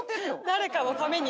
誰かのために。